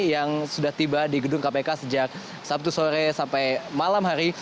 yang sudah tiba di gedung kpk sejak sabtu sore sampai malam hari